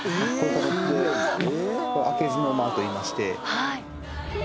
開けずの間といいまして。